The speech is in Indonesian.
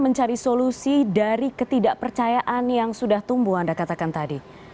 mencari solusi dari ketidakpercayaan yang sudah tumbuh anda katakan tadi